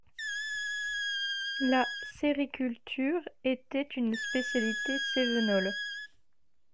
La sériciculture était une spécialité Cévenole.